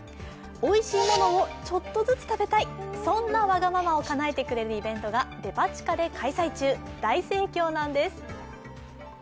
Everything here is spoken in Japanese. おいしいものをちょっとずつ食べたい、そんなわがままをかなえてくれるイベントがデパ地下で開催中、大盛況なんです。